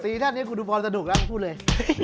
ซี่ท่านเนี้ยผมดูพรสนุกแล้วคุณพูดเลย